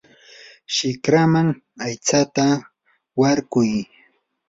shikraman aytsata warkuy.